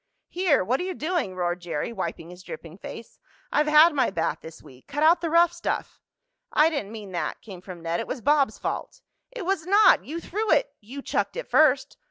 "Here! What are you doing?" roared Jerry, wiping his dripping face. "I've had my bath this week. Cut out the rough stuff!" "I didn't mean that," came from Ned. "It was Bob's fault." "It was not! You threw it!" "You chucked it first."